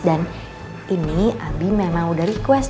dan ini abi memang udah request